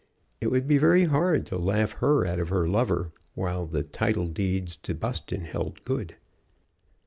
It would be very hard to laugh her out of her lover while the title deeds to Buston held good.